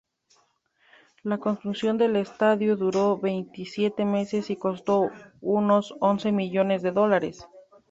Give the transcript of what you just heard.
La construcción del estadio duró veintisiete meses, y costó unos once millones de dólares.